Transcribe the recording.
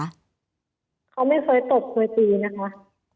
เขาไม่เคยตบเคยตีนะคะ